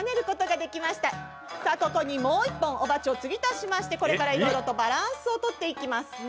ここにもう一本おバチを継ぎ足しましてこれからいろいろとバランスを取って行きます。